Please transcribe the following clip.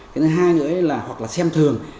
cái thứ hai nữa là hoặc là xem thường